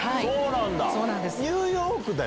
そうなんだ。